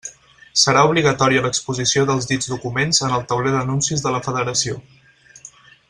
Serà obligatòria l'exposició dels dits documents en el tauler d'anuncis de la federació.